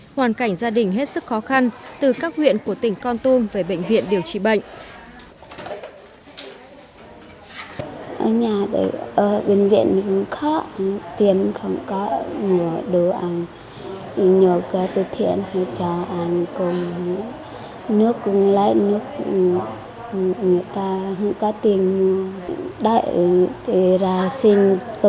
hoàn cảnh gia đình hết sức khó khăn từ các huyện của tỉnh con tum về bệnh viện điều trị bệnh